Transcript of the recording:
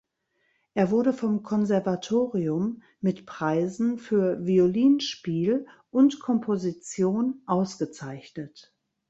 Er wurde vom Konservatorium mit Preisen für Violinspiel und Komposition ausgezeichnet.